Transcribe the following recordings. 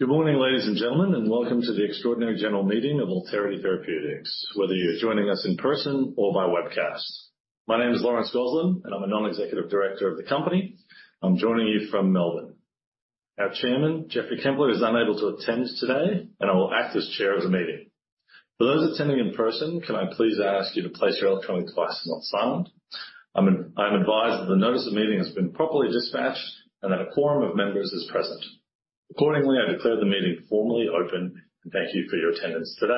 Good morning, ladies and gentlemen, and welcome to the Extraordinary General Meeting of Alterity Therapeutics, whether you're joining us in person or by webcast. My name is Lawrence Gozlan, and I'm a Non-Executive Director of the company. I'm joining you from Melbourne. Our Chairman, Geoffrey Kempler, is unable to attend today, and I will act as Chair of the meeting. For those attending in person, can I please ask you to place your electronic device on silent? I'm advised that the notice of meeting has been properly dispatched and that a quorum of members is present. Accordingly, I declare the meeting formally open, and thank you for your attendance today.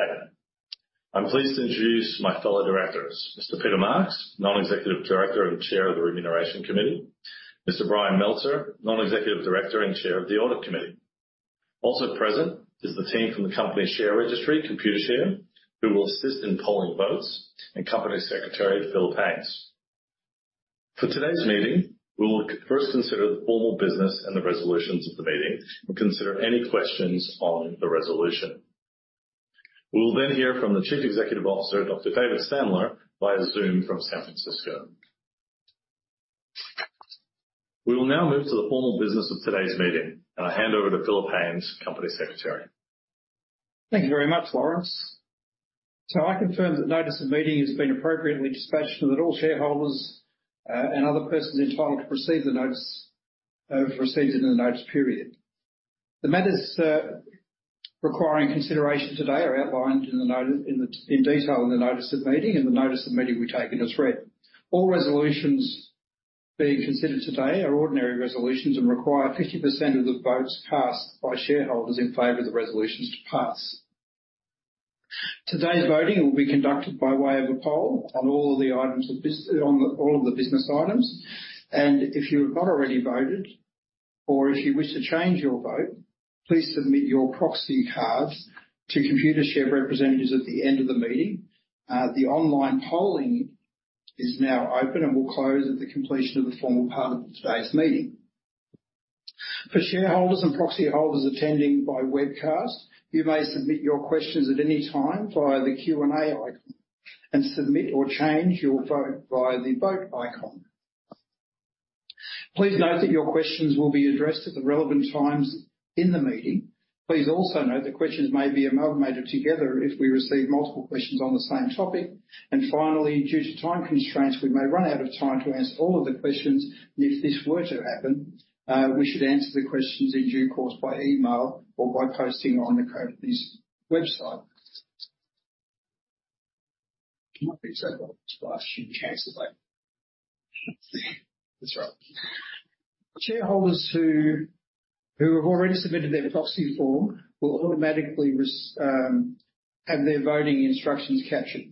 I'm pleased to introduce my fellow directors, Mr. Peter Marks, Non-Executive Director and Chair of the Remuneration Committee, Mr. Brian Meltzer, Non-Executive Director and Chair of the Audit Committee. Also present is the team from the company's share registry, Computershare, who will assist in polling votes, and Company Secretary, Phillip Hains. For today's meeting, we will first consider the formal business and the resolutions of the meeting and consider any questions on the resolution. We will then hear from the Chief Executive Officer, Dr. David Stamler, via Zoom from San Francisco. We will now move to the formal business of today's meeting, and I hand over to Phillip Hains, Company Secretary. Thank you very much, Lawrence. I confirm that notice of meeting has been appropriately dispatched, and that all shareholders and other persons entitled to receive the notice have received it in the notice period. The matters requiring consideration today are outlined in the notice in detail in the notice of meeting, and the notice of meeting we take as read. All resolutions being considered today are ordinary resolutions and require 50% of the votes cast by shareholders in favor of the resolutions to pass. Today's voting will be conducted by way of a poll on all of the business items, and if you have not already voted or if you wish to change your vote, please submit your proxy cards to Computershare representatives at the end of the meeting. The online polling is now open and will close at the completion of the formal part of today's meeting. For shareholders and proxy holders attending by webcast, you may submit your questions at any time via the Q&A icon and submit or change your vote via the vote icon. Please note that your questions will be addressed at the relevant times in the meeting. Please also note that questions may be amalgamated together if we receive multiple questions on the same topic. And finally, due to time constraints, we may run out of time to answer all of the questions. If this were to happen, we should answer the questions in due course by email or by posting on the company's website. Shareholders who have already submitted their proxy form will automatically have their voting instructions captured.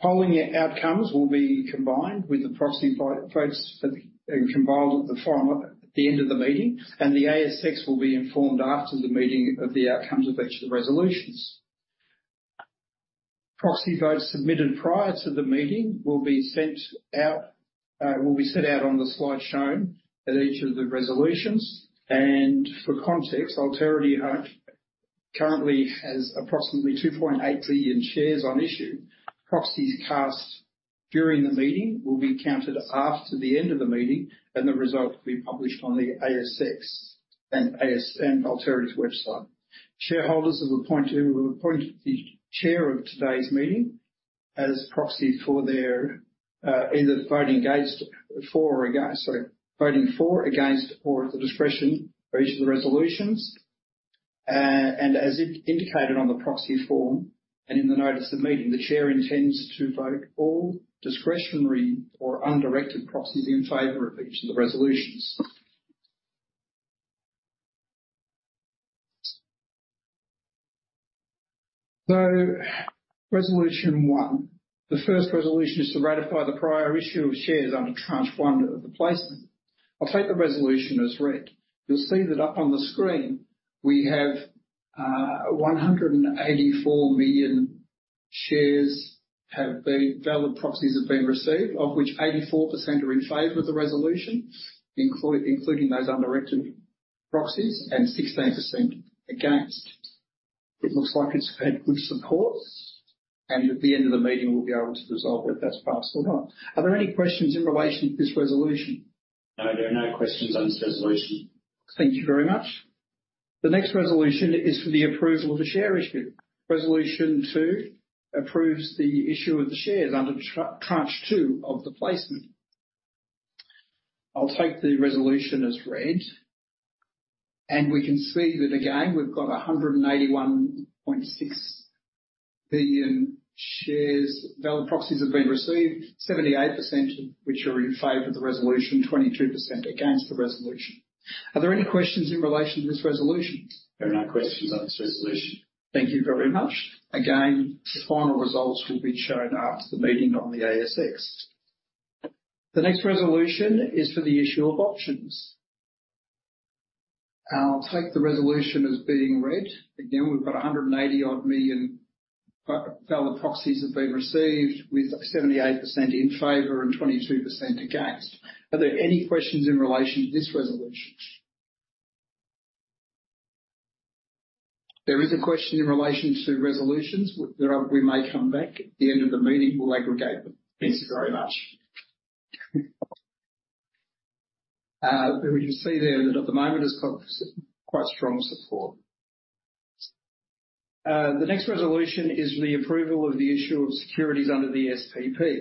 Polling outcomes will be combined with the proxy votes for, and compiled at the forum at the end of the meeting, and the ASX will be informed after the meeting of the outcomes of each of the resolutions. Proxy votes submitted prior to the meeting will be sent out, will be set out on the slide shown at each of the resolutions. For context, Alterity currently has approximately 2.8 billion shares on issue. Proxies cast during the meeting will be counted after the end of the meeting, and the results will be published on the ASX and ASX, and Alterity's website. Shareholders have appointed, will appoint the Chair of today's meeting as proxy for their, either voting against, for or against, sorry, voting for, against, or at the discretion for each of the resolutions. As indicated on the proxy form and in the notice of meeting, the chair intends to vote all discretionary or undirected proxies in favor of each of the resolutions. So, Resolution one. The first resolution is to ratify the prior issue of shares under tranche one of the placement. I'll take the resolution as read. You'll see that up on the screen we have 184 million valid proxies have been received, of which 84% are in favor of the resolution, including those undirected proxies, and 16% against. It looks like it's had good support, and at the end of the meeting, we'll be able to resolve if that's passed or not. Are there any questions in relation to this resolution? No, there are no questions on this resolution. Thank you very much. The next resolution is for the approval of the share issue. Resolution two approves the issue of the shares under tranche two of the placement. I'll take the resolution as read, and we can see that again, we've got 181.6 million shares. Valid proxies have been received, 78% of which are in favor of the resolution, 22% against the resolution. Are there any questions in relation to this resolution? There are no questions on this resolution. Thank you very much. Again, final results will be shown after the meeting on the ASX. The next resolution is for the issue of options. I'll take the resolution as being read. Again, we've got 180-odd million valid proxies have been received, with 78% in favor and 22% against. Are there any questions in relation to this resolution? There is a question in relation to resolutions. We may come back at the end of the meeting, we'll aggregate them. Thank you very much. But we can see there that at the moment, it's got quite strong support. The next resolution is the approval of the issue of securities under the SPP.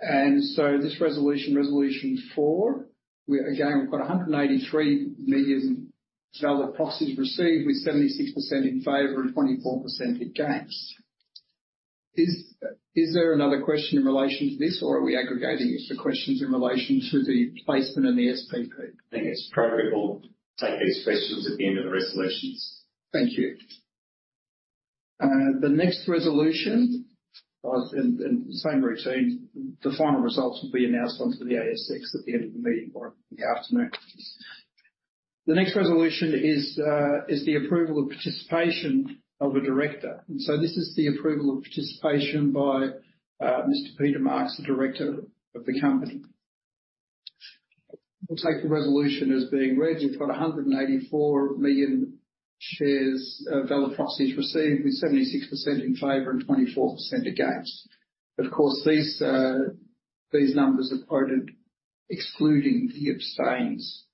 And so this resolution, Resolution Four, we again, we've got 183 million valid proxies received, with 76% in favor and 24% against. Is there another question in relation to this, or are we aggregating it to questions in relation to the placement and the SPP? I think it's appropriate we'll take these questions at the end of the resolutions. Thank you. The next resolution, and same routine, the final results will be announced onto the ASX at the end of the meeting or in the afternoon. The next resolution is the approval of participation of a director. And so this is the approval of participation by Mr. Peter Marks, the director of the company. We'll take the resolution as being read. We've got 184 million shares of valid proxies received, with 76% in favor and 24% against. Of course, these numbers are quoted excluding the abstains.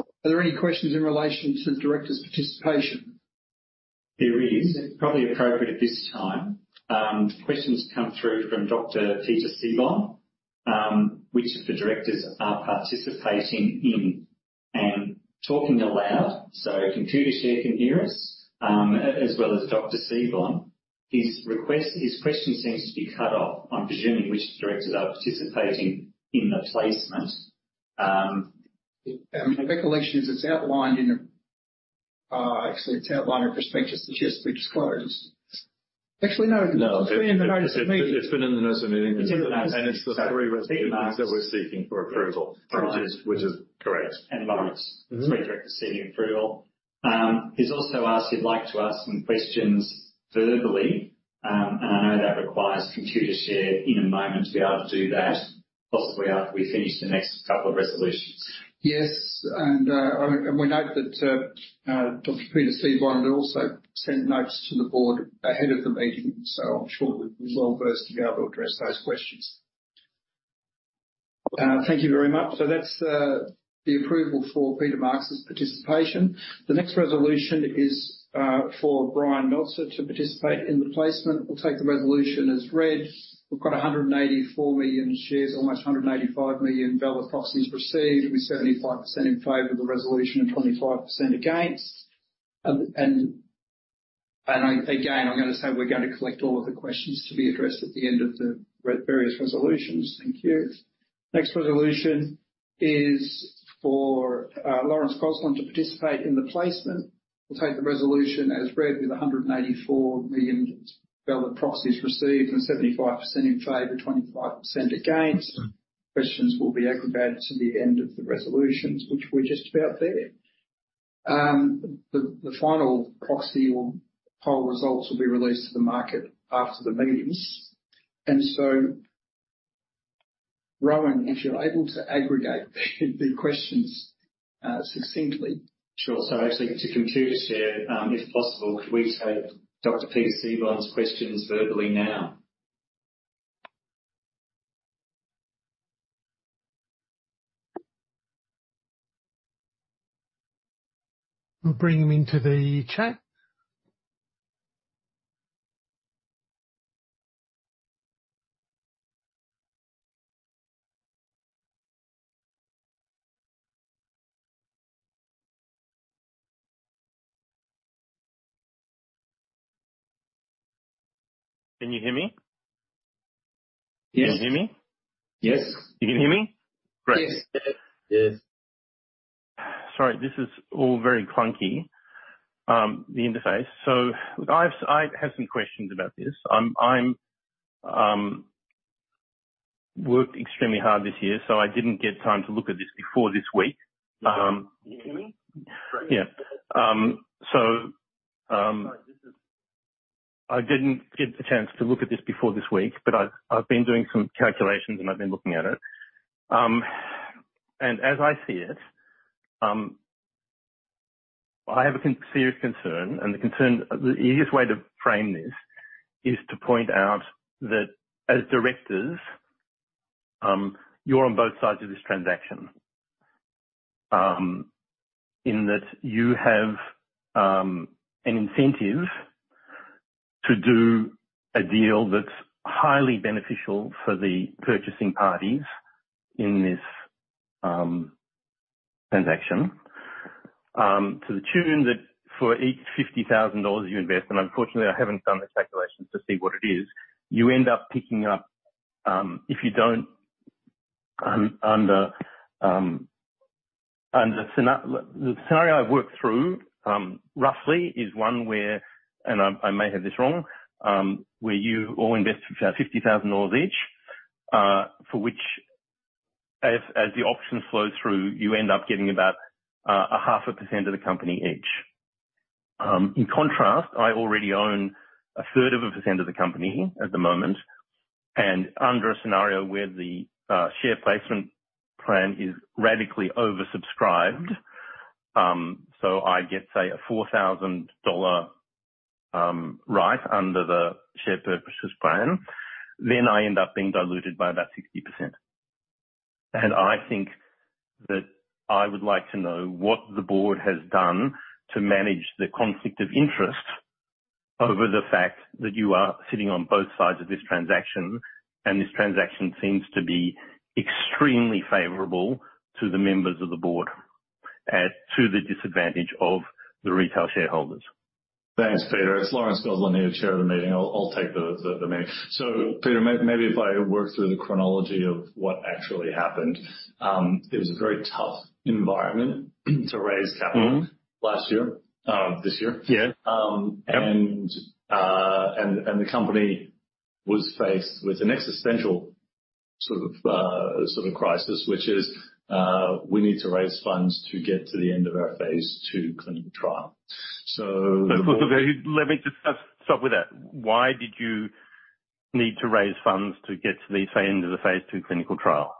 Are there any questions in relation to the director's participation? There is probably appropriate at this time. Questions come through from Dr. Peter Seebohm, which of the directors are participating in and talking aloud, so Computershare can hear us, as well as Dr. Seebohm. His request, his question seems to be cut off. I'm presuming which directors are participating in the placement. My recollection is it's outlined in the, actually, it's outlined in the prospectus, which just disclosed. Actually, no. No. It's been in the notice of meeting. It's in the notice. It's the three resolutions that we're seeking for approval. Which is correct. And Lawrence, the three directors seeking approval. He's also asked, he'd like to ask some questions verbally. And I know that requires Computershare in a moment to be able to do that, possibly after we finish the next couple of resolutions. Yes, and we note that Dr. Peter Seebohm also sent notes to the Board ahead of the meeting, so I'm sure we'll be well versed to be able to address those questions. Thank you very much. So that's the approval for Peter Marks's participation. The next resolution is for Brian Meltzer to participate in the placement. We'll take the resolution as read. We've got 184 million shares, almost 185 million valid proxies received, with 75% in favor of the resolution and 25% against. And again, I'm going to say we're going to collect all of the questions to be addressed at the end of the various resolutions. Thank you. Next resolution is for Lawrence Gozlan to participate in the placement. We'll take the resolution as read, with 184 million valid proxies received, and 75% in favor, 25% against. Questions will be aggregated to the end of the resolutions, which we're just about there. The final proxy or poll results will be released to the market after the meetings. And so, Rowan, if you're able to aggregate the questions succinctly. Sure. So actually, to Computershare, if possible, could we take Dr. Peter Seebohm's questions verbally now? We'll bring him into the chat. Can you hear me? Yes. Can you hear me? Yes. You can hear me? Great. Yes. Yes. Sorry, this is all very clunky, the interface. So I have some questions about this. I worked extremely hard this year, so I didn't get time to look at this before this week. Can you hear me? Yeah. So, I didn't get the chance to look at this before this week, but I've been doing some calculations, and I've been looking at it. And as I see it, I have a serious concern, and the concern. The easiest way to frame this is to point out that as directors, you're on both sides of this transaction. In that you have an incentive to do a deal that's highly beneficial for the purchasing parties in this transaction to the tune that for each 50,000 dollars you invest, and unfortunately, I haven't done the calculations to see what it is, you end up picking up, if you don't, under the scenario I've worked through, roughly, is one where, and I, I may have this wrong, where you all invest 50,000 dollars each, for which as the auction flows through, you end up getting about 0.5% of the company each. In contrast, I already own 0.33% of the company at the moment, and under a scenario where the share placement plan is radically oversubscribed, so I get, say, an 4,000 dollar right under the Share Purchase Plan, then I end up being diluted by about 60%. I think that I would like to know what the board has done to manage the conflict of interest over the fact that you are sitting on both sides of this transaction, and this transaction seems to be extremely favorable to the members of the board and to the disadvantage of the retail shareholders. Thanks, Peter. It's Lawrence Gozlan here, Chair of the meeting. I'll take the meeting. So Peter, maybe if I work through the chronology of what actually happened. It was a very tough environment to raise capital- Mm-hmm. last year, this year. Yeah. The company was faced with an existential sort of, sort of crisis, which is we need to raise funds to get to the end of our phase II clinical trial. So, Let me just, stop with that. Why did you need to raise funds to get to the end of the phase II clinical trial?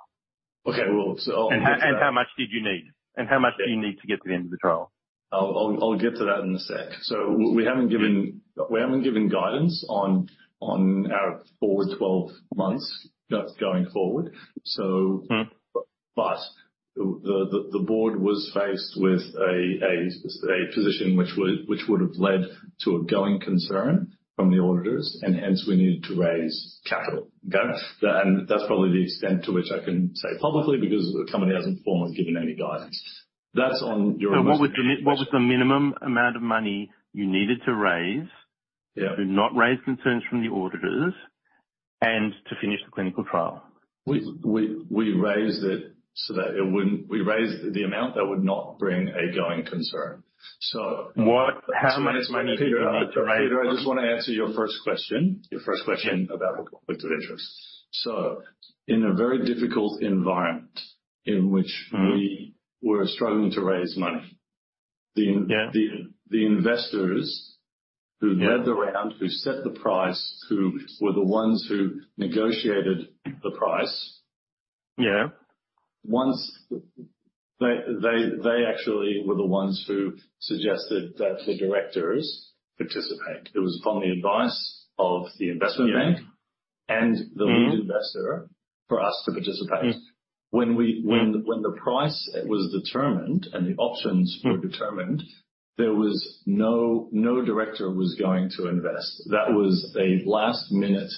Okay, well, so, How much did you need? And how much do you need to get to the end of the trial? I'll get to that in a sec. So we haven't given guidance on our forward twelve months, that's going forward, so, Mm. But the board was faced with a position which would have led to a going concern from the auditors, and hence we needed to raise capital. Okay? And that's probably the extent to which I can say publicly, because the company hasn't formally given any guidance. That's on your, What was the minimum amount of money you needed to raise? Yeah. To not raise concerns from the auditors and to finish the clinical trial? We raised it so that it wouldn't, we raised the amount that would not bring a going concern. So, What, how much money do you need to raise? Peter, I just want to answer your first question, your first question about the conflict of interest. So in a very difficult environment in which, Mm. We were struggling to raise money, the in, Yeah. The investors who led the round, who set the price, who were the ones who negotiated the price. Yeah. They actually were the ones who suggested that the directors participate. It was upon the advice of the investment bank. Yeah. And the lead investor for us to participate. Mm. When the price was determined and the options were determined, there was no director was going to invest. That was a last-minute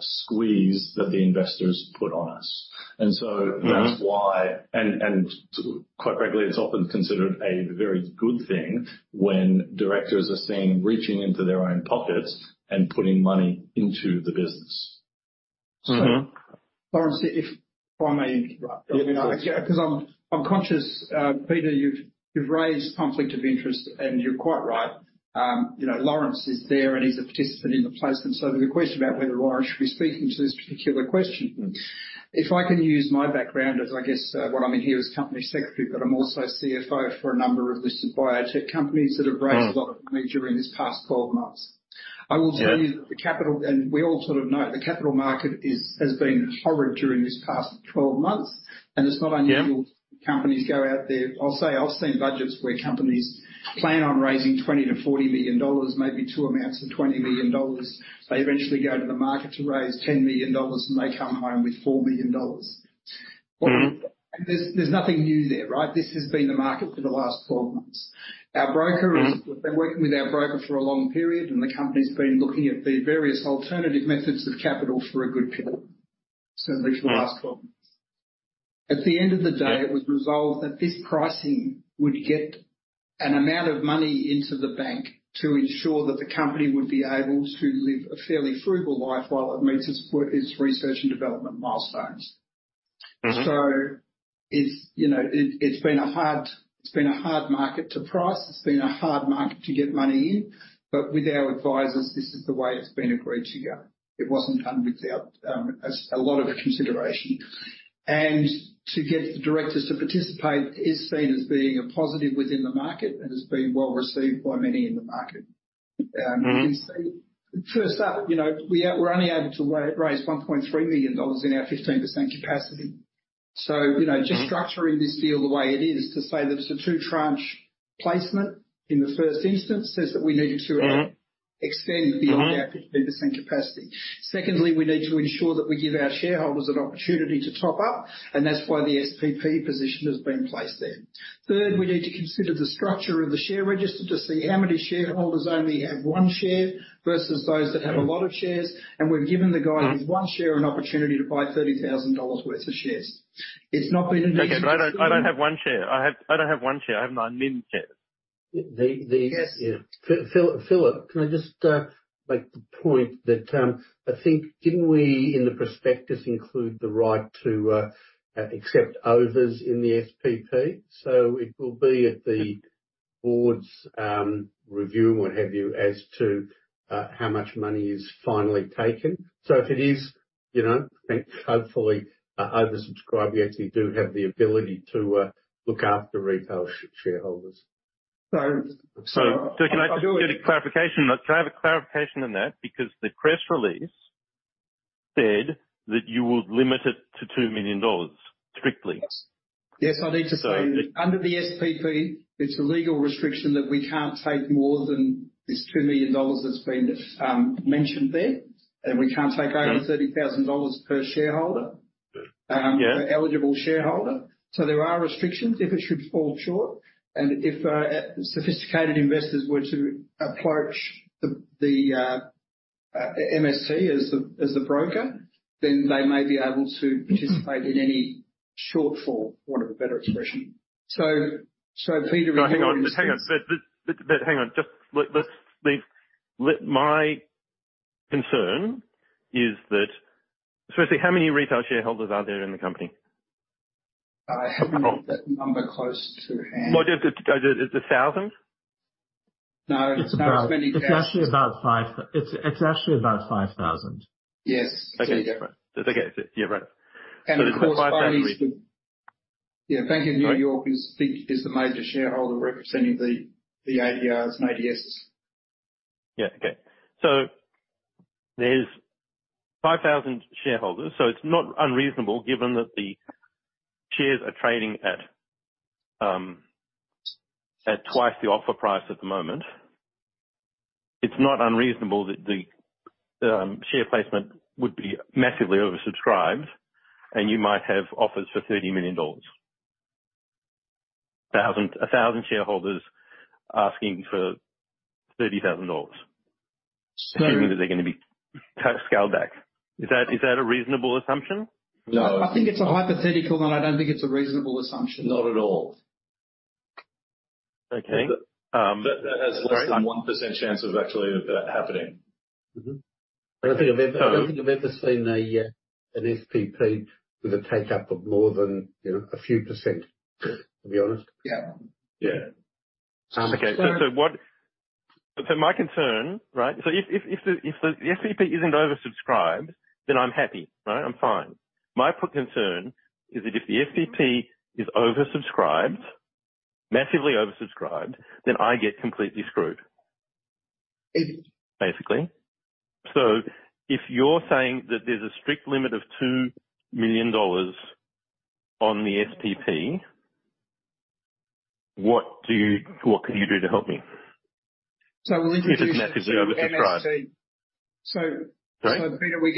squeeze that the investors put on us. And so, Mm-hmm. That's why, and, quite rightly, it's often considered a very good thing when directors are seen reaching into their own pockets and putting money into the business. Mm-hmm. Lawrence, if I may interrupt. Yeah, please. Because I'm conscious, Peter, you've raised conflict of interest, and you're quite right. You know, Lawrence is there, and he's a participant in the placement, so there's a question about whether Lawrence should be speaking to this particular question. Mm. If I can use my background as, I guess, what I'm in here is Company Secretary, but I'm also CFO for a number of listed biotech companies that have raised a lot of money during these past 12 months. Yeah. I will tell you that the capital, and we all sort of know, the capital market is, has been horrid during this past 12 months, and it's not unusual. Yeah. Companies go out there. I'll say, I've seen budgets where companies plan on raising 20 million-40 million dollars, maybe two amounts of 20 million dollars. They eventually go to the market to raise 10 million dollars, and they come home with 4 million dollars. Mm. There's nothing new there, right? This has been the market for the last 12 months. Mm. Our broker, we've been working with our broker for a long period, and the company's been looking at the various alternative methods of capital for a good period, certainly for the last 12 months. At the end of the day, it was resolved that this pricing would get an amount of money into the bank to ensure that the company would be able to live a fairly frugal life while it meets its work, its research and development milestones. Mm-hmm. So it's, you know, it, it's been a hard, it's been a hard market to price. It's been a hard market to get money in, but with our advisors, this is the way it's been agreed to go. It wasn't done without a lot of consideration. And to get the directors to participate is seen as being a positive within the market and has been well received by many in the market. Mm. First up, you know, we're only able to raise 1.3 million dollars in our 15% capacity. So, you know, Mm. Just structuring this deal the way it is, to say that it's a two-tranche placement in the first instance, says that we need to- Mm. Extend beyond our 15% capacity. Secondly, we need to ensure that we give our shareholders an opportunity to top up, and that's why the SPP position has been placed there. Third, we need to consider the structure of the share register to see how many shareholders only have one share versus those that have a lot of shares. And we've given the guy with one share an opportunity to buy 30,000 dollars worth of shares. It's not been an easy- I don't, I don't have one share. I have, I don't have one share. I have a million shares. The, the- Yes. Phil, Philip, can I just make the point that, I think, didn't we, in the prospectus, include the right to accept overs in the SPP? So it will be at the board's review or what have you, as to how much money is finally taken. So if it is, you know, I think hopefully oversubscribed, we actually do have the ability to look after retail shareholders. So, so, Can I just get a clarification? Can I have a clarification on that? Because the press release said that you would limit it to 2 million dollars, strictly. Yes, I need to say, under the SPP, it's a legal restriction that we can't take more than this 2 million dollars that's been mentioned there, and we can't take over, Okay 30,000 dollars per shareholder. Good. Yeah. Eligible shareholder. So there are restrictions if it should fall short, and if sophisticated investors were to approach the MST as the broker, then they may be able to participate in any shortfall, want of a better expression. So Peter, Hang on, hang on. But, but, but hang on. My concern is that, so say, how many retail shareholders are there in the company? I haven't got that number close to hand. Well, just, is it 1,000? No, it's 20,000. It's actually about 5,000. Yes. Okay. Yeah, right. Of course, yeah, Bank of New York is the major shareholder representing the ADRs and ADS. Yeah. Okay. So there's 5,000 shareholders, so it's not unreasonable given that the shares are trading at, at twice the offer price at the moment. It's not unreasonable that the, share placement would be massively oversubscribed, and you might have offers for 30 million dollars. 1,000 shareholders asking for 30,000 dollars. So, Assuming that they're going to be cut, scaled back. Is that, is that a reasonable assumption? No. I think it's a hypothetical, but I don't think it's a reasonable assumption. Not at all. Okay. All right. That, that has less than 1% chance of actually that happening. Mm-hmm. I don't think I've ever seen an SPP with a take-up of more than, you know, a few percent, to be honest. Yeah. Yeah. Okay. So my concern, right? So if the SPP isn't oversubscribed, then I'm happy. Right? I'm fine. My concern is that if the SPP is oversubscribed, massively oversubscribed, then I get completely screwed. It, Basically. So if you're saying that there's a strict limit of 2 million dollars on the SPP, what do you, what can you do to help me? We'll introduce you to MST. If it's massively oversubscribed. So, Sorry. So Peter, we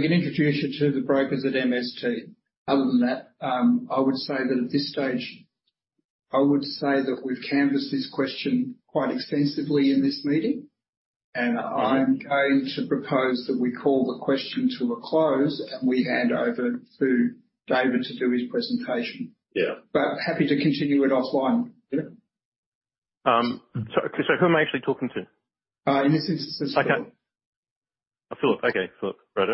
can introduce you to the brokers at MST. Other than that, I would say that at this stage, I would say that we've canvassed this question quite extensively in this meeting, and I'm going to propose that we call the question to a close, and we hand over to David to do his presentation. Yeah. But happy to continue it offline, yeah? So, who am I actually talking to? In this instance, it's Phillip. Okay. Phillip. Okay, Phillip. Right.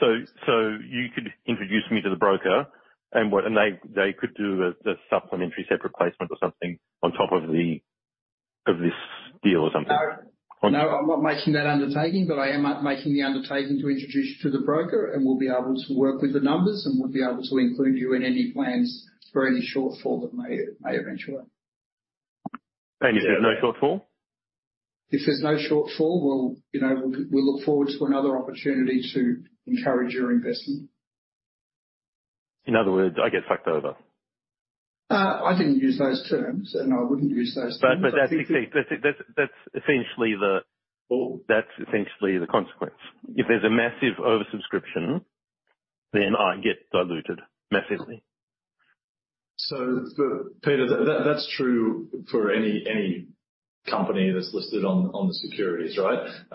So you could introduce me to the broker, and they could do a supplementary separate placement or something on top of this deal or something? No. No, I'm not making that undertaking, but I am making the undertaking to introduce you to the broker, and we'll be able to work with the numbers, and we'll be able to include you in any plans for any shortfall that may, may eventuate. If there's no shortfall? If there's no shortfall, we'll, you know, look forward to another opportunity to encourage your investment. In other words, I get fucked over. I didn't use those terms, and I wouldn't use those terms. But that's essentially the, Well, That's essentially the consequence. If there's a massive oversubscription, then I get diluted massively. So, but Peter, that's true for any company that's listed on the securities, right? That's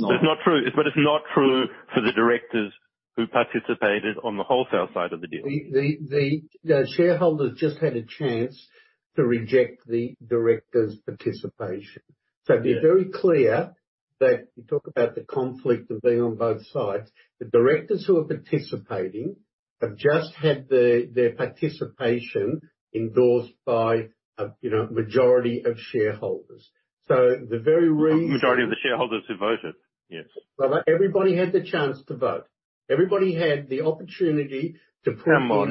not, That's not true. But it's not true for the directors who participated on the wholesale side of the deal. The shareholders just had a chance to reject the directors' participation. Yeah. So be very clear that you talk about the conflict of being on both sides. The directors who are participating have just had their participation endorsed by a, you know, majority of shareholders. So the very reason. Majority of the shareholders who voted? Yes. Well, but everybody had the chance to vote. Everybody had the opportunity to, Come on,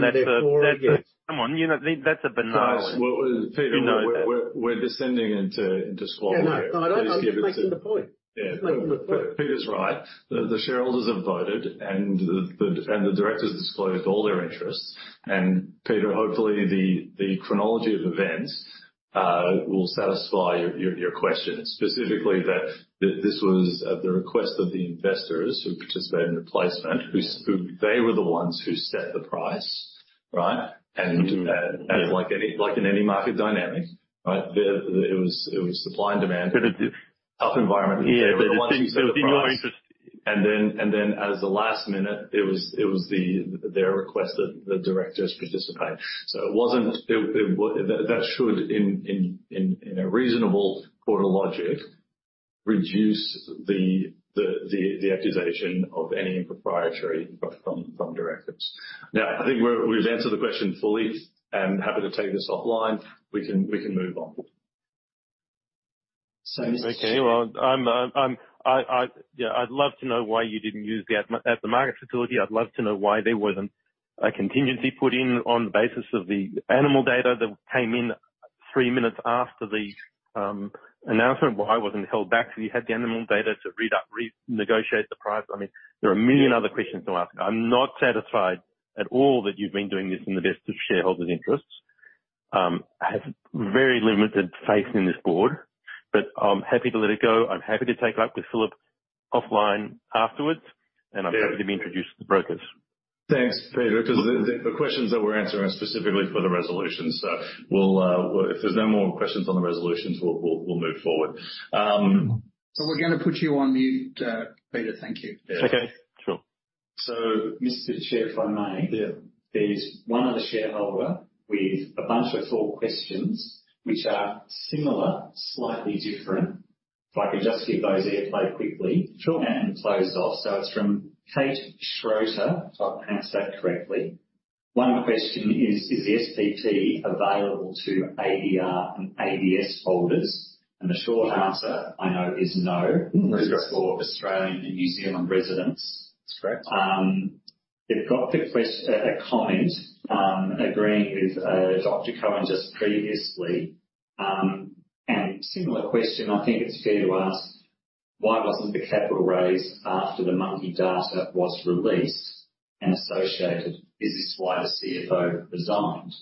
you know, that's banal. Well, Peter, we're descending into squalor. I'm not. I'm just making the point. Yeah. Making the point. Peter's right. The shareholders have voted, and the directors disclosed all their interests. And Peter, hopefully, the chronology of events will satisfy your question. Specifically, that this was at the request of the investors who participated in the placement, who they were the ones who set the price, right? Mm-hmm. And like in any market dynamic, right? It was supply and demand. But it, Tough environment. Yeah, but it would be in your interest, And then at the last minute, it was their request that the directors participate. So it wasn't, that should, in a reasonable corporate logic, reduce the accusation of any impropriety from directors. Now, I think we've answered the question fully, and happy to take this offline. We can move on. So, Okay. Well, I'm, yeah, I'd love to know why you didn't use the at the market facility. I'd love to know why there wasn't a contingency put in on the basis of the animal data that came in three minutes after the announcement, why wasn't it held back till you had the animal data to read up, re-negotiate the price? I mean, there are a million other questions to ask. I'm not satisfied at all that you've been doing this in the best of shareholders' interests. I have very limited faith in this board, but I'm happy to let it go. I'm happy to take it up with Phillip offline afterwards, and I'm happy to be introduced to the brokers. Thanks, Peter. Because the questions that we're answering are specifically for the resolution, so we'll, well, if there's no more questions on the resolutions, we'll move forward. We're gonna put you on mute, Peter. Thank you. Okay, sure. Mr. Chair, if I may? Yeah. There's one other shareholder with a bunch of four questions which are similar, slightly different. If I could just give those airplay quickly. Sure. And close off. So it's from Kate Schroeder, if I've pronounced that correctly. One question is, Is the SPP available to ADR and ADS holders? And the short answer I know is no. Correct. It's for Australian and New Zealand residents. That's correct. They've got a question, a comment, agreeing with Dr. Cohen just previously. And similar question, I think it's fair to ask: Why wasn't the capital raised after the monkey data was released and associated? Is this why the CFO resigned?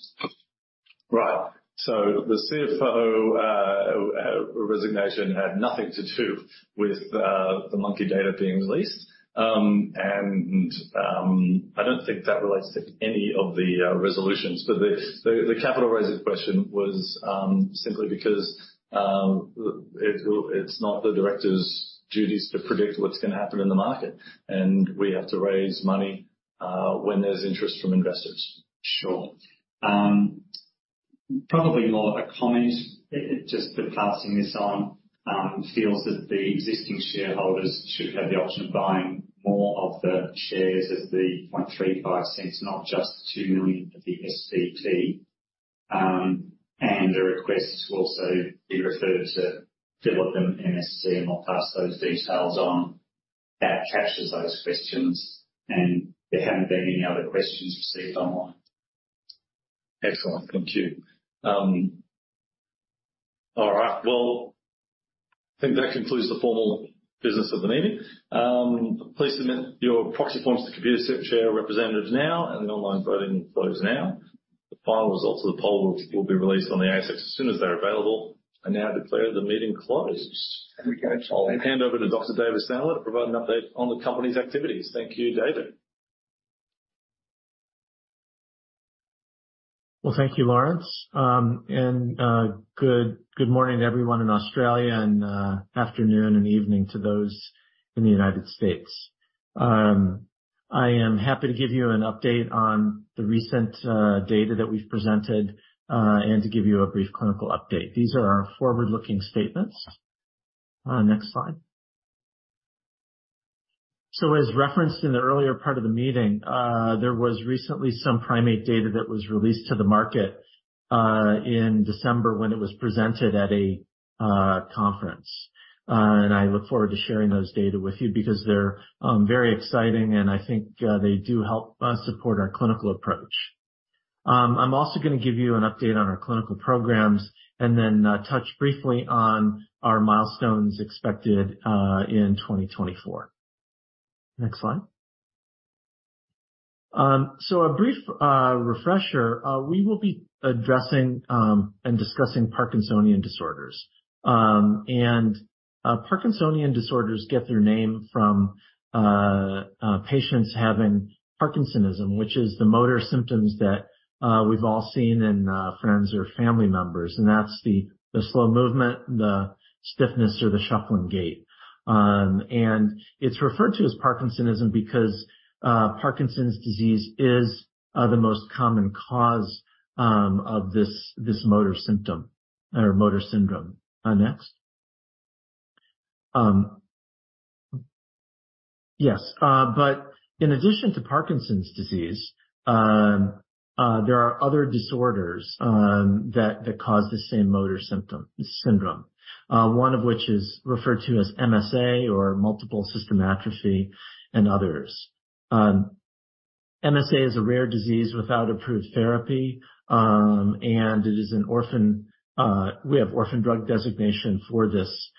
Right. So the CFO resignation had nothing to do with the monkey data being released. And I don't think that relates to any of the resolutions. But the capital raising question was simply because it's not the directors' duties to predict what's going to happen in the market, and we have to raise money when there's interest from investors. Sure. Probably more of a comment, just for passing this on, feels that the existing shareholders should have the option of buying more of the shares at 0.35, not just 2 million of the SPP. The request will also be referred to Phillip and MST, and I'll pass those details on. That captures those questions, and there haven't been any other questions received online. Excellent. Thank you. All right. Well, I think that concludes the formal business of the meeting. Please submit your proxy forms to the Computershare representatives now, and the online voting will close now. The final results of the poll will be released on the ASX as soon as they're available. I now declare the meeting closed. I'll hand over to Dr. David Stamler to provide an update on the company's activities. Thank you, David. Well, thank you, Lawrence. And good morning to everyone in Australia, and afternoon and evening to those in the United States. I am happy to give you an update on the recent data that we've presented, and to give you a brief clinical update. These are our forward-looking statements. Next slide. So as referenced in the earlier part of the meeting, there was recently some primate data that was released to the market in December when it was presented at a conference. And I look forward to sharing those data with you because they're very exciting, and I think they do help us support our clinical approach. I'm also gonna give you an update on our clinical programs and then touch briefly on our milestones expected in 2024. Next slide. So a brief refresher. We will be addressing and discussing Parkinsonian disorders. Parkinsonian disorders get their name from patients having Parkinsonism, which is the motor symptoms that we've all seen in friends or family members, and that's the slow movement, the stiffness, or the shuffling gait. And it's referred to as Parkinsonism because Parkinson's disease is the most common cause of this motor symptom or motor syndrome. Next. Yes, but in addition to Parkinson's disease, there are other disorders that cause the same motor symptom syndrome, one of which is referred to as MSA or Multiple System Atrophy, and others. MSA is a rare disease without approved therapy, and it is an orphan. We have Orphan Drug Designation for this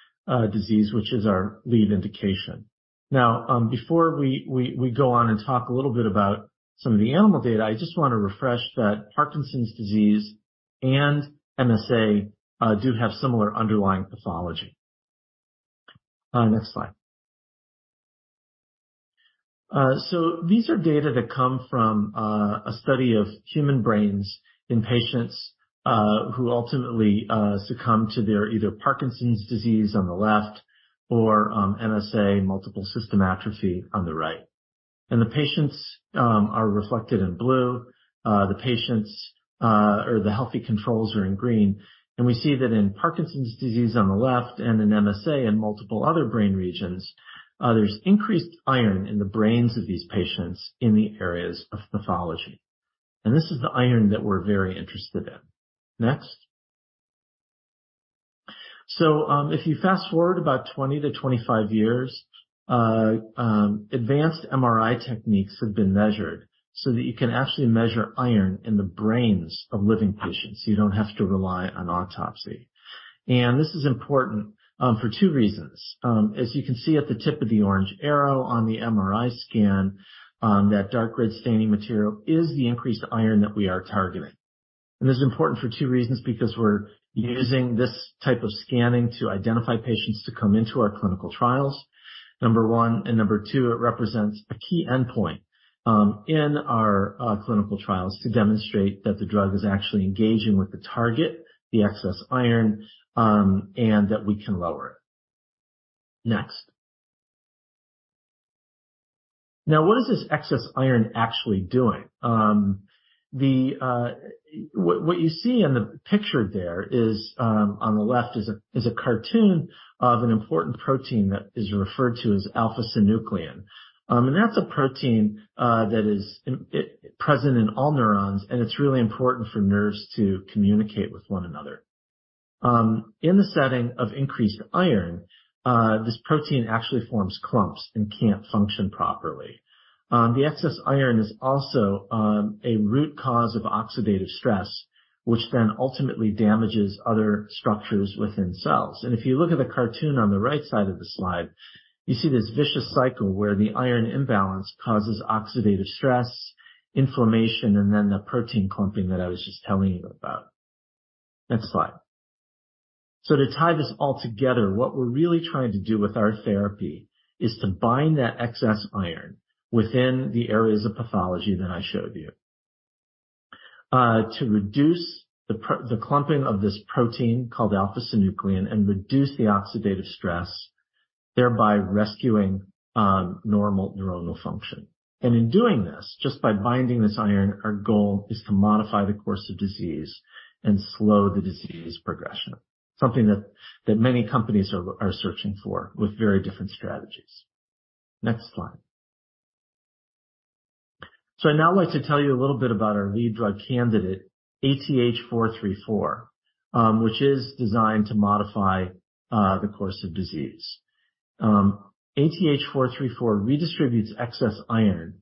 disease, which is our lead indication. Now, before we go on and talk a little bit about some of the animal data, I just want to refresh that Parkinson's disease and MSA do have similar underlying pathology. Next slide. So these are data that come from a study of human brains in patients who ultimately succumb to their either Parkinson's disease on the left or MSA, Multiple System Atrophy, on the right. And the patients are reflected in blue. The patients or the healthy controls are in green. And we see that in Parkinson's disease on the left and in MSA, in multiple other brain regions, there's increased iron in the brains of these patients in the areas of pathology. This is the iron that we're very interested in. Next. So, if you fast-forward about 20-25 years, advanced MRI techniques have been measured so that you can actually measure iron in the brains of living patients, so you don't have to rely on autopsy. And this is important, for two reasons. As you can see at the tip of the orange arrow on the MRI scan, that dark red staining material is the increased iron that we are targeting. And this is important for two reasons, because we're using this type of scanning to identify patients to come into our clinical trials, number one, and number two, it represents a key endpoint, in our, clinical trials to demonstrate that the drug is actually engaging with the target, the excess iron, and that we can lower it. Next. Now, what is this excess iron actually doing? What you see in the picture there is, on the left is a cartoon of an important protein that is referred to as alpha-synuclein. And that's a protein that is present in all neurons, and it's really important for nerves to communicate with one another. In the setting of increased iron, this protein actually forms clumps and can't function properly. The excess iron is also a root cause of oxidative stress, which then ultimately damages other structures within cells. And if you look at the cartoon on the right side of the slide, you see this vicious cycle where the iron imbalance causes oxidative stress, inflammation, and then the protein clumping that I was just telling you about. Next slide. So to tie this all together, what we're really trying to do with our therapy is to bind that excess iron within the areas of pathology that I showed you. To reduce the clumping of this protein, called alpha-synuclein, and reduce the oxidative stress, thereby rescuing normal neuronal function. And in doing this, just by binding this iron, our goal is to modify the course of disease and slow the disease progression, something that many companies are searching for with very different strategies. Next slide. So I'd now like to tell you a little bit about our lead drug candidate, ATH434, which is designed to modify the course of disease. ATH434 redistributes excess iron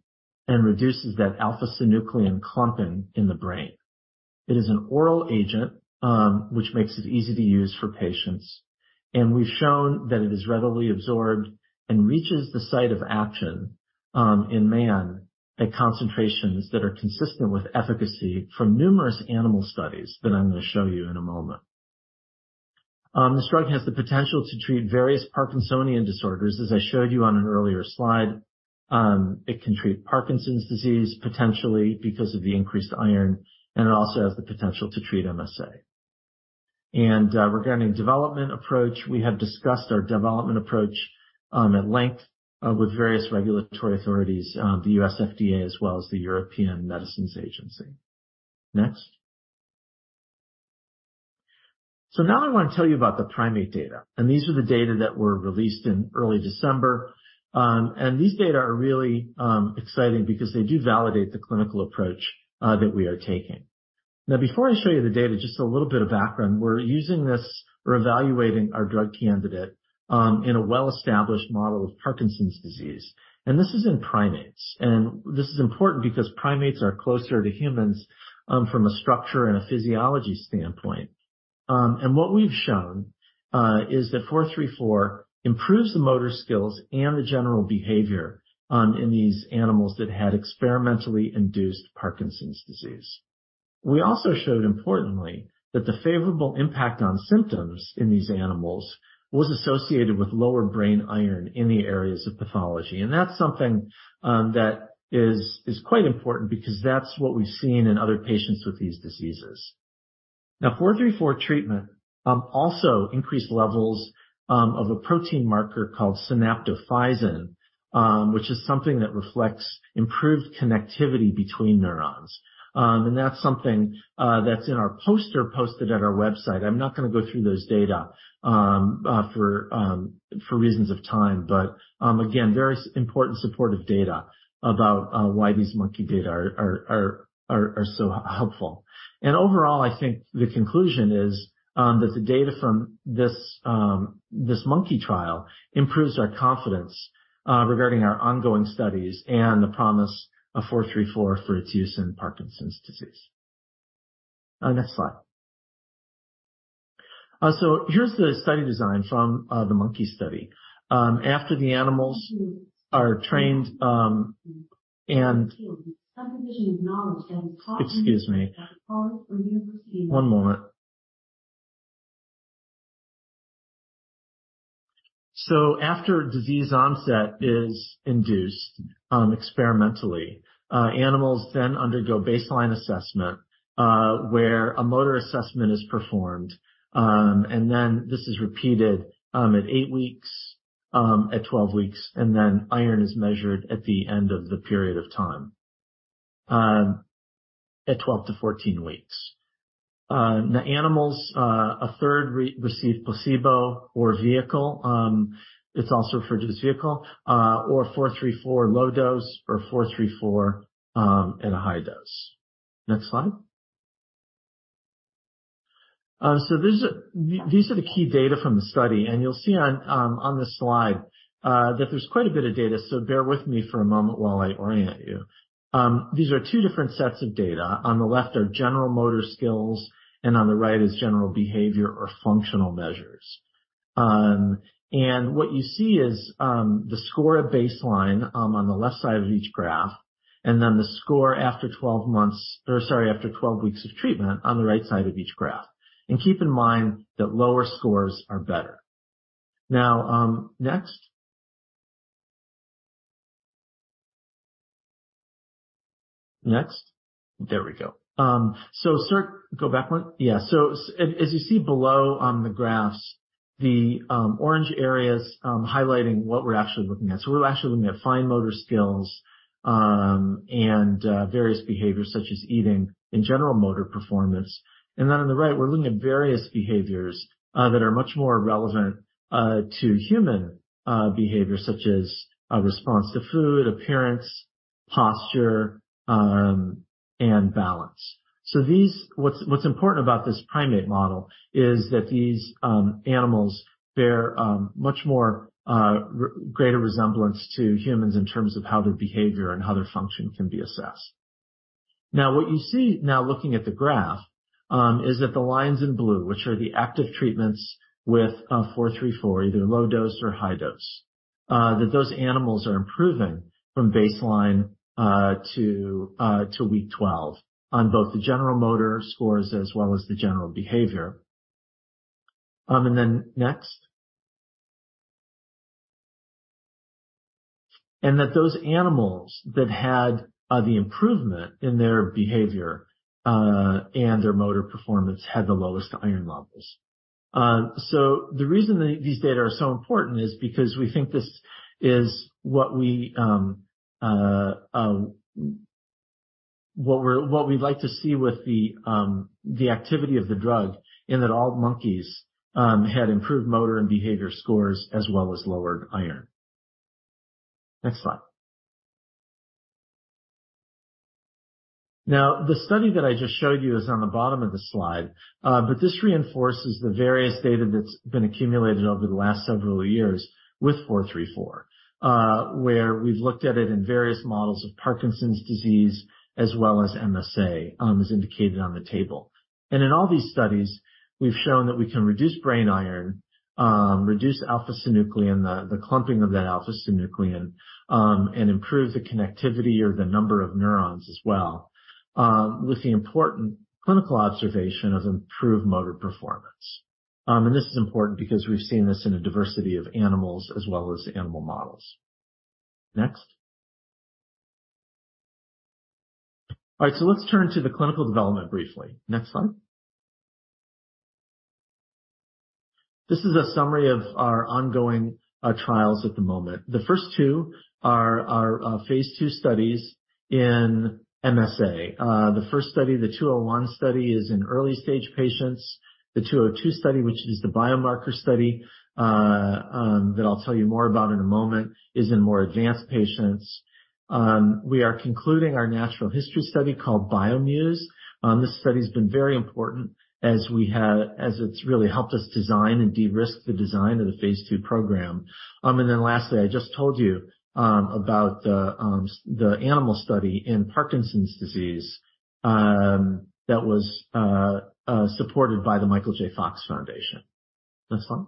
and reduces that alpha-synuclein clumping in the brain. It is an oral agent, which makes it easy to use for patients, and we've shown that it is readily absorbed and reaches the site of action, in man, at concentrations that are consistent with efficacy from numerous animal studies that I'm going to show you in a moment. This drug has the potential to treat various Parkinsonian disorders. As I showed you on an earlier slide, it can treat Parkinson's disease, potentially because of the increased iron, and it also has the potential to treat MSA. Regarding development approach, we have discussed our development approach, at length, with various regulatory authorities, the U.S. FDA, as well as the European Medicines Agency. Next. Now I want to tell you about the primate data, and these are the data that were released in early December. These data are really exciting because they do validate the clinical approach that we are taking. Now, before I show you the data, just a little bit of background. We're evaluating our drug candidate in a well-established model of Parkinson's disease, and this is in primates. This is important because primates are closer to humans from a structure and a physiology standpoint. What we've shown is that ATH434 improves the motor skills and the general behavior in these animals that had experimentally induced Parkinson's disease. We also showed, importantly, that the favorable impact on symptoms in these animals was associated with lower brain iron in the areas of pathology. That's something that is quite important because that's what we've seen in other patients with these diseases. Now, 434 treatment also increased levels of a protein marker called synaptophysin, which is something that reflects improved connectivity between neurons. And that's something that's in our poster posted at our website. I'm not going to go through those data for reasons of time, but again, very important supportive data about why these monkey data are so helpful. And overall, I think the conclusion is that the data from this this monkey trial improves our confidence regarding our ongoing studies and the promise of 434 for its use in Parkinson's disease. Next slide. So here's the study design from the monkey study. After the animals are trained, and excuse me. One moment. So after disease onset is induced, experimentally, animals then undergo baseline assessment, where a motor assessment is performed. And then this is repeated, at eight weeks, at 12 weeks, and then iron is measured at the end of the period of time, at 12-14 weeks. The animals receive placebo or vehicle, it's also referred to as vehicle, or 434 low dose or 434, at a high dose. Next slide. So these are, these are the key data from the study, and you'll see on, on this slide, that there's quite a bit of data, so bear with me for a moment while I orient you. These are two different sets of data. On the left are general motor skills, and on the right is general behavior or functional measures. What you see is the score at baseline on the left side of each graph, and then the score after 12 months, or sorry, after 12 weeks of treatment on the right side of each graph. Keep in mind that lower scores are better. Now, next. Next. There we go. Go back one. Yeah. So as you see below on the graphs, the orange areas highlighting what we're actually looking at. So we're actually looking at fine motor skills and various behaviors such as eating and general motor performance. Then on the right, we're looking at various behaviors that are much more relevant to human behavior, such as a response to food, appearance, posture, and balance. So these, what's important about this primate model is that these animals bear much more greater resemblance to humans in terms of how their behavior and how their function can be assessed. Now, what you see now, looking at the graph, is that the lines in blue, which are the active treatments with 434, either low dose or high dose, that those animals are improving from baseline to week 12 on both the general motor scores as well as the general behavior. And then next. And that those animals that had the improvement in their behavior and their motor performance had the lowest iron levels. So the reason that these data are so important is because we think this is what we're, what we'd like to see with the activity of the drug, in that all monkeys had improved motor and behavior scores, as well as lowered iron. Next slide. Now, the study that I just showed you is on the bottom of the slide, but this reinforces the various data that's been accumulated over the last several years with 434. Where we've looked at it in various models of Parkinson's disease, as well as MSA, as indicated on the table. In all these studies, we've shown that we can reduce brain iron, reduce alpha-synuclein, the clumping of that alpha-synuclein, and improve the connectivity or the number of neurons as well, with the important clinical observation of improved motor performance. And this is important because we've seen this in a diversity of animals as well as animal models. Next. All right, so let's turn to the clinical development briefly. Next slide. This is a summary of our ongoing trials at the moment. The first two are our phase II studies in MSA. The first study, the 201 study, is in early-stage patients. The 202 study, which is the biomarker study, that I'll tell you more about in a moment, is in more advanced patients. We are concluding our natural history study called bioMUSE. This study's been very important as it's really helped us design and de-risk the design of the phase II program. And then lastly, I just told you about the animal study in Parkinson's disease that was supported by the Michael J. Fox Foundation. Next slide.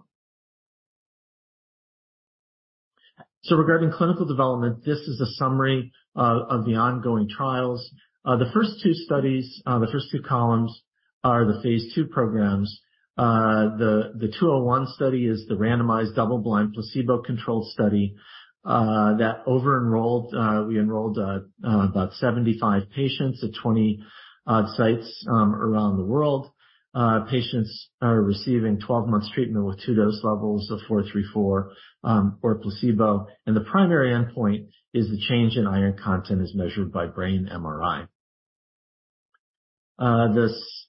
So regarding clinical development, this is a summary of the ongoing trials. The first two studies, the first two columns are the phase II programs. The ATH201 study is the randomized, double-blind, placebo-controlled study that over-enrolled, we enrolled about 75 patients at 20 sites around the world. Patients are receiving 12 months treatment with two dose levels of ATH434 or placebo, and the primary endpoint is the change in iron content as measured by brain MRI.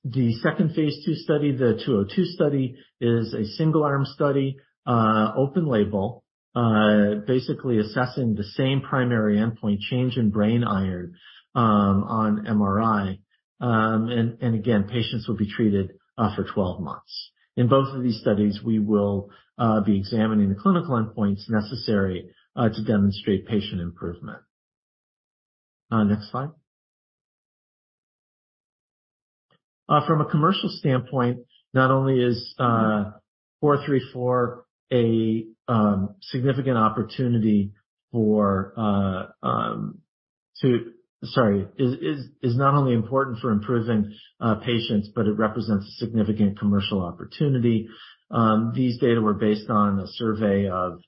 The second phase II study, the ATH202 study, is a single-arm study, open label, basically assessing the same primary endpoint, change in brain iron, on MRI. And again, patients will be treated for 12 months. In both of these studies, we will be examining the clinical endpoints necessary to demonstrate patient improvement. Next slide. From a commercial standpoint, not only is ATH434 a significant opportunity, sorry, is not only important for improving patients, but it represents a significant commercial opportunity. These data were based on a survey of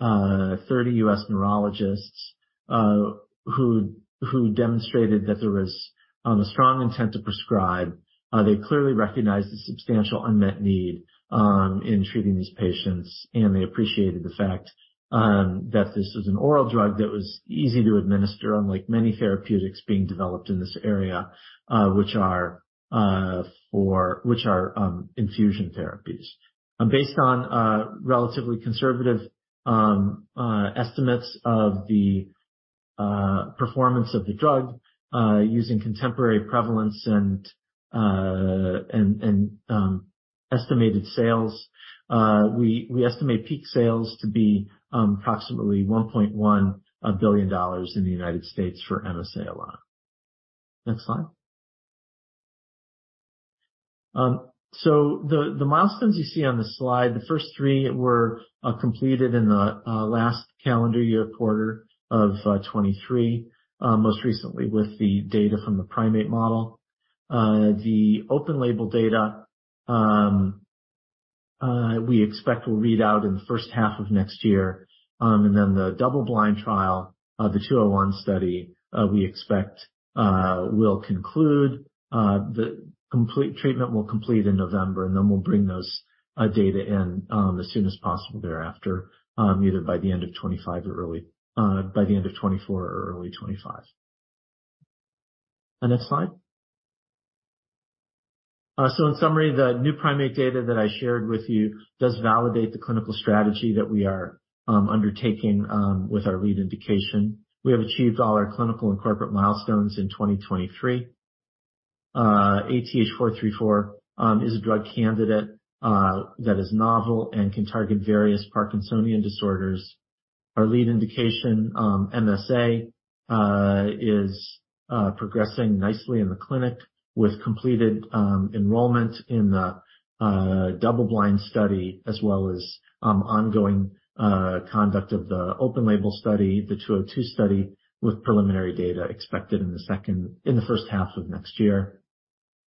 30 U.S. neurologists, who demonstrated that there was a strong intent to prescribe. They clearly recognized the substantial unmet need in treating these patients, and they appreciated the fact that this was an oral drug that was easy to administer, unlike many therapeutics being developed in this area, which are infusion therapies. Based on relatively conservative estimates of the performance of the drug, using contemporary prevalence and estimated sales. We estimate peak sales to be approximately $1.1 billion in the United States for MSA alone. Next slide. So the milestones you see on the slide, the first three were completed in the last calendar year quarter of 2023. Most recently with the data from the primate model. The open label data, we expect will read out in the first half of next year. And then the double-blind trial, the 201 study, we expect, will conclude. The complete treatment will complete in November, and then we'll bring those data in, as soon as possible thereafter, either by the end of 2025 or early, by the end of 2024 or early 2025. The next slide. So in summary, the new primate data that I shared with you does validate the clinical strategy that we are undertaking, with our lead indication. We have achieved all our clinical and corporate milestones in 2023. ATH434 is a drug candidate that is novel and can target various Parkinsonian disorders. Our lead indication, MSA, is progressing nicely in the clinic with completed enrollment in the double-blind study, as well as ongoing conduct of the open label study, the 202 study, with preliminary data expected in the first half of next year.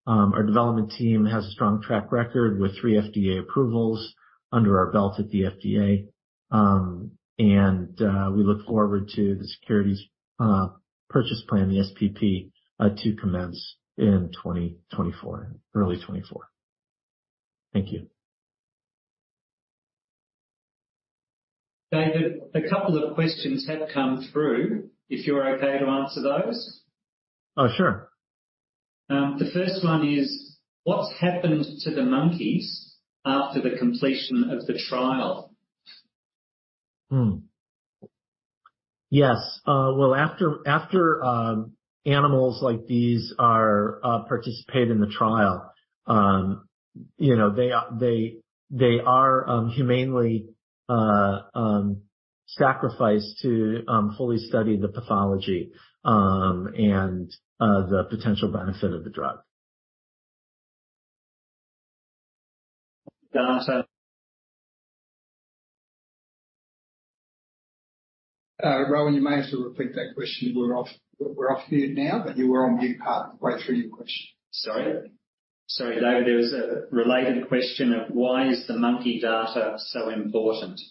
Our development team has a strong track record with three FDA approvals under our belt at the FDA, and we look forward to the share purchase plan, the SPP, to commence in 2024, early 2024. Thank you. David, a couple of questions have come through, if you're okay to answer those? Oh, sure. The first one is: What's happened to the monkeys after the completion of the trial? Yes. Well, after animals like these participate in the trial, you know, they are humanely sacrificed to fully study the pathology and the potential benefit of the drug. Data. Rowan, you may have to repeat that question. We're off, we're off mute now, but you were on mute part way through your question. Sorry. Sorry, David. There was a related question, why is the monkey data so important?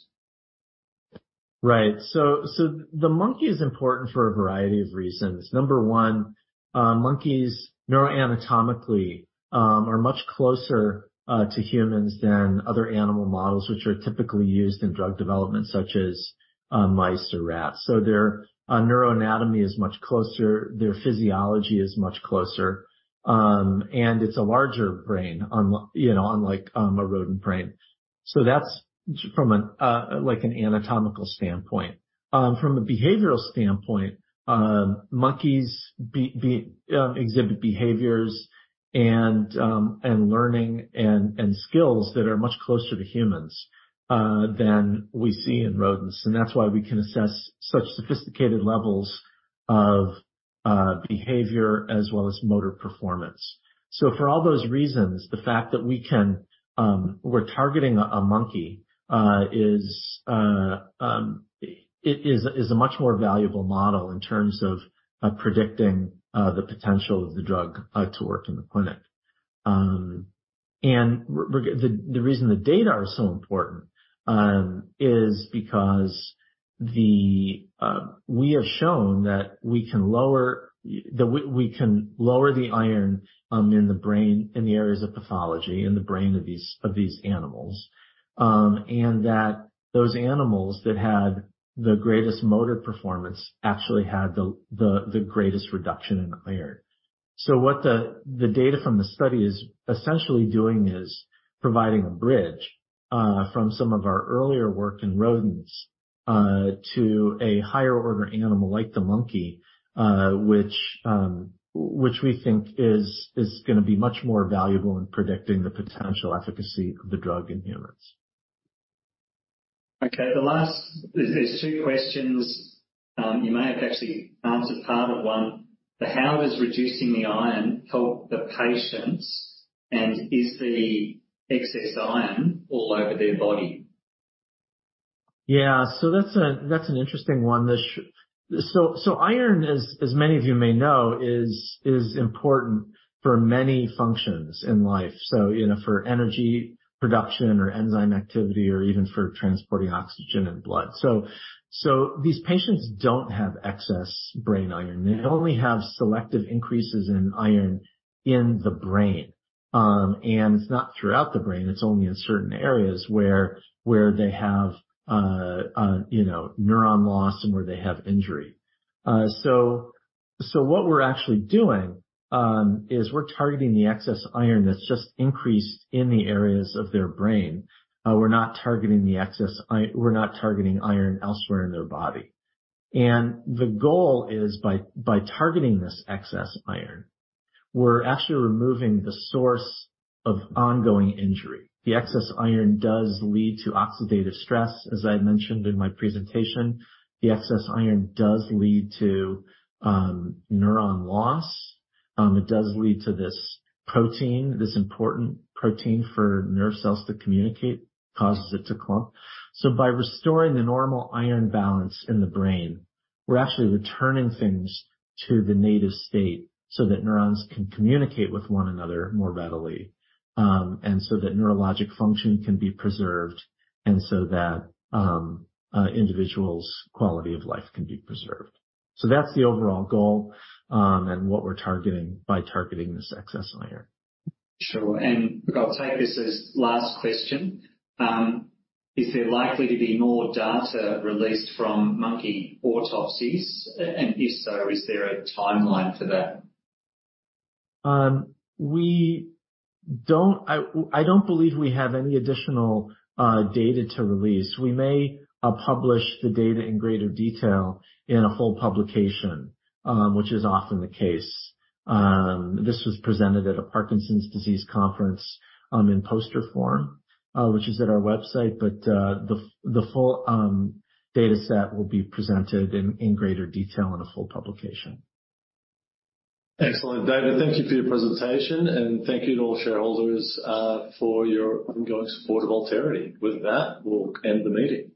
Right. So the monkey is important for a variety of reasons. Number one, monkeys neuroanatomically are much closer to humans than other animal models, which are typically used in drug development, such as mice or rats. So their neuroanatomy is much closer, their physiology is much closer, and it's a larger brain, you know, unlike a rodent brain. So that's from an, like an anatomical standpoint. From a behavioral standpoint, monkeys exhibit behaviors and learning and skills that are much closer to humans than we see in rodents. And that's why we can assess such sophisticated levels of behavior as well as motor performance. So for all those reasons, the fact that we can, we're targeting a monkey. It is a much more valuable model in terms of predicting the potential of the drug to work in the clinic. The reason the data are so important is because we have shown that we can lower the iron in the brain, in the areas of pathology, in the brain of these animals. And those animals that had the greatest motor performance actually had the greatest reduction in iron. So what the data from the study is essentially doing is providing a bridge from some of our earlier work in rodents to a higher order animal, like the monkey, which we think is gonna be much more valuable in predicting the potential efficacy of the drug in humans. Okay, the last, there's two questions. You may have actually answered part of one, but how does reducing the iron help the patients, and is the excess iron all over their body? Yeah. So that's an interesting one. So iron, as many of you may know, is important for many functions in life. So, you know, for energy production or enzyme activity, or even for transporting oxygen and blood. So these patients don't have excess brain iron. They only have selective increases in iron in the brain. And it's not throughout the brain, it's only in certain areas where they have, you know, neuron loss and where they have injury. So what we're actually doing is we're targeting the excess iron that's just increased in the areas of their brain. We're not targeting iron elsewhere in their body. And the goal is by targeting this excess iron, we're actually removing the source of ongoing injury. The excess iron does lead to oxidative stress, as I mentioned in my presentation. The excess iron does lead to neuron loss. It does lead to this protein, this important protein for nerve cells to communicate, causes it to clump. So by restoring the normal iron balance in the brain, we're actually returning things to the native state, so that neurons can communicate with one another more readily, and so that neurologic function can be preserved, and so that individual's quality of life can be preserved. So that's the overall goal, and what we're targeting by targeting this excess iron. Sure. And I'll take this as last question. Is there likely to be more data released from monkey autopsies? And if so, is there a timeline for that? We don't, I don't believe we have any additional data to release. We may publish the data in greater detail in a full publication, which is often the case. This was presented at a Parkinson's disease conference in poster form, which is at our website, but the full data set will be presented in greater detail in a full publication. Excellent, David. Thank you for your presentation, and thank you to all shareholders, for your ongoing support of Alterity. With that, we'll end the meeting.